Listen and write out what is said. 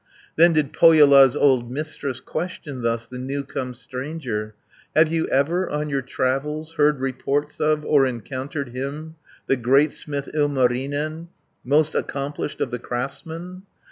200 Then did Pohjola's old Mistress Question thus the new come stranger: "Have you ever on your travels, Heard reports of, or encountered Him, the great smith Ilmarinen, Most accomplished of the craftsmen?